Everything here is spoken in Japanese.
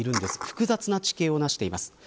複雑な地形をしています。